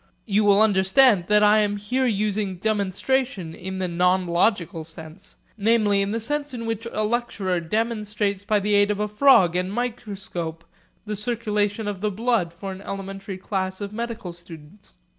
You will understand that I am here using 'demonstration' in the non logical sense, namely in the sense in which a lecturer demonstrates by the aid of a frog and a microscope the circulation of the blood for an elementary class of medical students.